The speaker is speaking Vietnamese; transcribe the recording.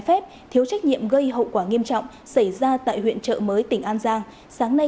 phép thiếu trách nhiệm gây hậu quả nghiêm trọng xảy ra tại huyện trợ mới tỉnh an giang sáng nay